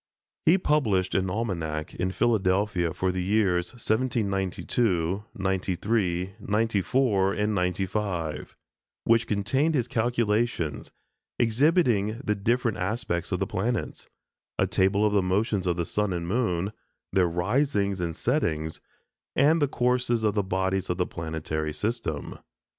He published an almanac in Philadelphia for the years 1792, '93, '94, and '95, which contained his calculations, exhibiting the different aspects of the planets, a table of the motions of the sun and moon, their risings and settings, and the courses of the bodies of the planetary system.